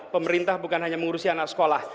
pemerintah bukan hanya mengurusi anak sekolah